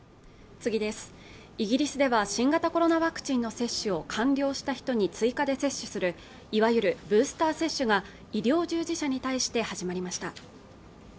イギリスでは新型コロナワクチンの接種を完了した人に追加で接種するいわゆるブースター接種が医療従事者に対して始まりました